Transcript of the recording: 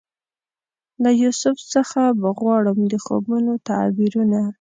له یوسف څخه به غواړم د خوبونو تعبیرونه